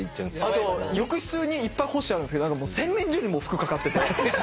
あと浴室にいっぱい干してあるんすけど洗面所にも服掛かってて。